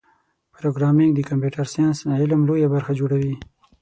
پروګرامېنګ د کمپیوټر ساینس علم لویه برخه جوړوي.